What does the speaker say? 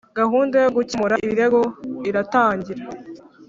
Gahunda yo gukemura ibirego iratangira